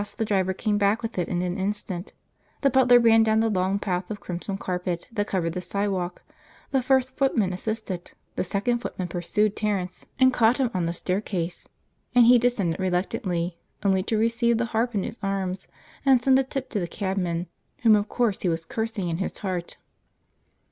the driver came back with it in an instant, the butler ran down the long path of crimson carpet that covered the sidewalk, the first footman assisted, the second footman pursued Terence and caught him on the staircase, and he descended reluctantly, only to receive the harp in his arms and send a tip to the cabman, whom of course he was cursing in his heart.